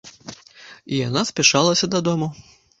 І яна спяшалася дадому.